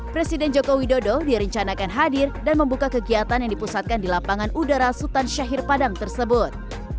presiden joko widodo direncanakan hadir dan membuka kegiatan yang dipusatkan di lapangan udara sultan syahir padang tersebut